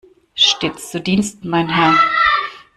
Stets zu Diensten, mein Herr!